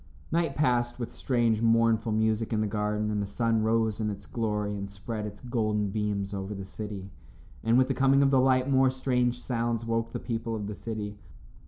Night passed with strange, mournful music in the garden, and the sun rose in its glory and spread its golden beams over the city. And with the coming of the light, more strange sounds woke the people of the city.